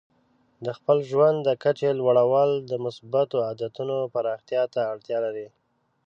د خپل ژوند د کچې لوړول د مثبتو عادتونو پراختیا ته اړتیا لري.